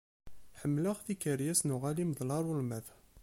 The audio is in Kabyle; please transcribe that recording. Ḥemmleɣ tikeryas n uɣanim d larulmat.